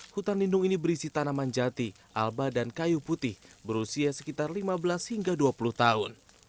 hutan lindung ini berisi tanaman jati alba dan kayu putih berusia sekitar lima belas hingga dua puluh tahun